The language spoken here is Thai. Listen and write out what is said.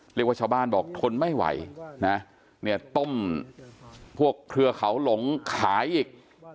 เรียกว่าชาวบ้านบอกทนไม่ไหวนะต้มพวกเครือเขาหลงขายอีก